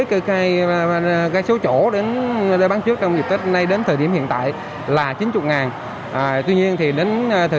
cái số chỗ để bán trước trong dịp tết nay đến thời điểm hiện tại là chín mươi tuy nhiên thì đến thời